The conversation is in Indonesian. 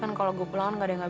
kan kan baru brno